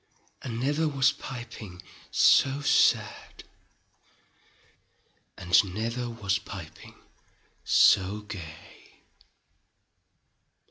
And never was piping so sad, And never was piping so gay.